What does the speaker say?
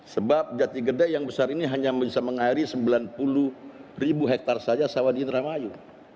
sebab jati gede yang besar ini hanya bisa mengairi sembilan puluh ribu hektare saja sawah di indramayu